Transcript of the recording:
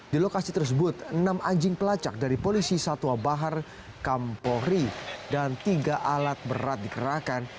di lokasi tersebut enam anjing pelacak dari polisi satwa bahar kampohri dan tiga alat berat dikerahkan